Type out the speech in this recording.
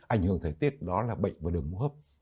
ảnh hưởng thời tiết đó là bệnh và đồng hợp